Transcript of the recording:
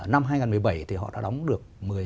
năm hai nghìn một mươi bảy thì họ đã đóng được